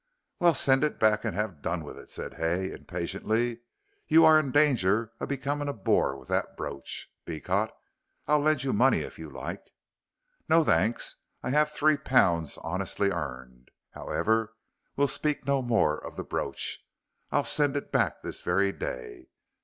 "Well, send it back and have done with it," said Hay, impatiently; "you are in danger of becoming a bore with that brooch, Beecot. I'll lend you money if you like." "No, thanks, I have three pounds honestly earned. However, we'll speak no more of the brooch. I'll send it back this very day.